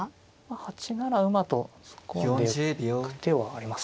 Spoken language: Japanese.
８七馬と突っ込んでいく手はありますかね。